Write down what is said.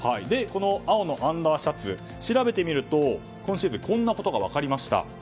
この青のアンダーシャツ調べてみると今シーズンこんなことが分かりました。